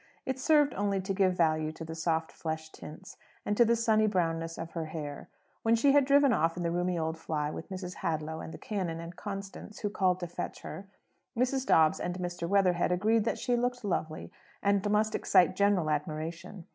It served only to give value to the soft flesh tints, and to the sunny brownness of her hair. When she had driven off in the roomy old fly with Mrs. Hadlow and the canon and Constance, who called to fetch her, Mrs. Dobbs and Mr. Weatherhead agreed that she looked lovely, and must excite general admiration.